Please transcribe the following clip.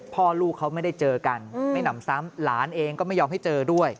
พ่อลูกเขาไม่ได้เจอกันไม่หนำซ้ำหลานเองก็ไม่ยอมให้เจอด้วย